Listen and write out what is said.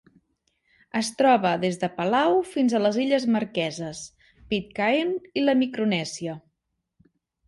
Es troba des de Palau fins a les Illes Marqueses, Pitcairn i la Micronèsia.